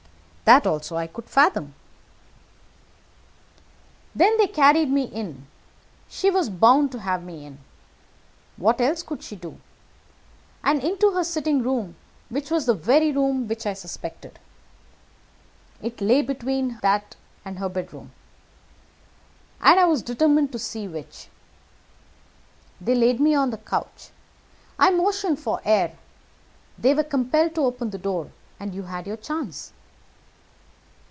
"That also I could fathom." "Then they carried me in. She was bound to have me in. What else could she do? And into her sitting room, which was the very room which I suspected. It lay between that and her bedroom, and I was determined to see which. They laid me on a couch, I motioned for air, they were compelled to open the window, and you had your chance."